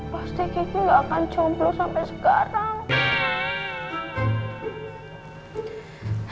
pasti kiki ga akan jomblo sampe sekarang